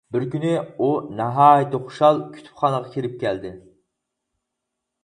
بىر كۈنى ئۇ ناھايىتى خۇشال كۇتۇپخانىغا كىرىپ كەلدى.